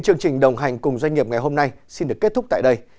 chương trình đồng hành cùng doanh nghiệp ngày hôm nay xin được kết thúc tại đây